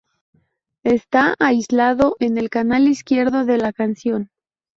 Está aislado en el canal izquierdo de la canción.